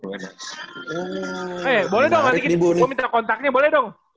boleh dong nanti gue minta kontaknya boleh dong